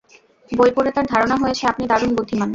বই পড়ে তার ধারণা হয়েছে আপনি দারুণ বুদ্ধিমান।